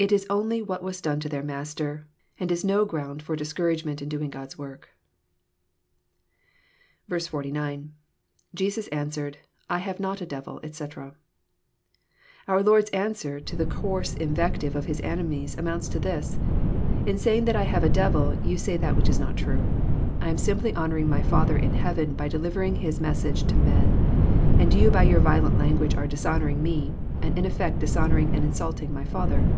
It is only what was done to their Master, and is no ground for discouragement in doing God*s work. 49. — IJesus answered, I have not a devil, etc.'] Our Lord's answer to the coarse invective of His enemies amounts to this :In saying that I have a devil you say that which is not true. I am simply honouring My Father in heaven by delivering His mes sage to man, and you by your violent language are dishonouring Me, and in effect dishonouring and insulting my Father.